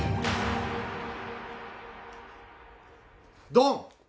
ドン！